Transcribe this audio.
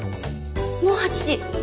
もう８時！